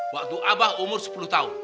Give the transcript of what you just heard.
waktu abah umur sepuluh tahun